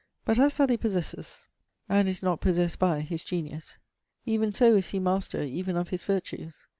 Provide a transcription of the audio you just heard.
But as Southey possesses, and is not possessed by, his genius, even so is he master even of his virtues.